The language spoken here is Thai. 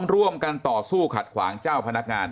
ร่วมกันต่อสู้ขัดขวางเจ้าพนักงาน